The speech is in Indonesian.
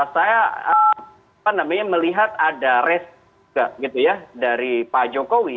saya melihat ada resiko dari pak jokowi